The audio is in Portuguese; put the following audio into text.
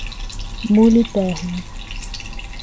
Muliterno